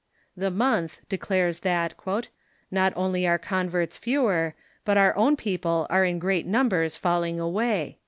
The 3Ionth declares that " not only are converts fewer, but our own people are in great numbers falling away."